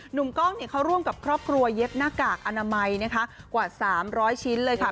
หนุ่มกล้องเขาร่วมกับครอบครัวเย็บหน้ากากอนามัยนะคะกว่า๓๐๐ชิ้นเลยค่ะ